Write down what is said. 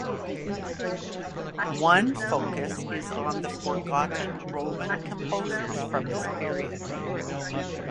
One focus is on the forgotten Roman composers from this period.